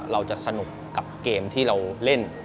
เราจะสนุกกับเกมที่เราเล่น